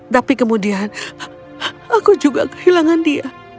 tapi kemudian aku juga kehilangan dia